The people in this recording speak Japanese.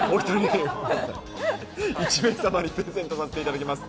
お一人、１名様にプレゼントさせていただきます。